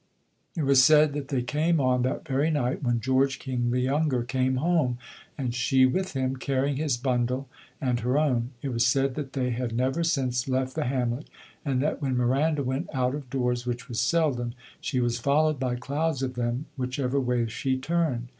It was said that they came on that very night when George King the younger came home, and she with him, carrying his bundle and her own. It was said that they had never since left the hamlet, and that when Miranda went out of doors, which was seldom, she was followed by clouds of them whichever way she turned.